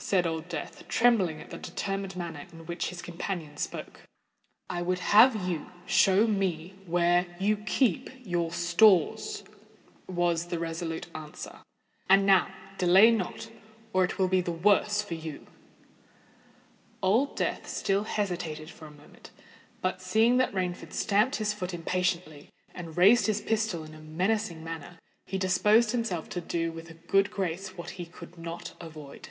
said Old Death, trembling at the determined manner in which his companion spoke. "I would have you show me where you keep your stores," was the resolute answer. "And now—delay not—or it will be the worse for you." Old Death still hesitated for a moment; but, seeing that Rainford stamped his foot impatiently and raised his pistol in a menacing manner, he disposed himself to do with a good grace what he could not avoid.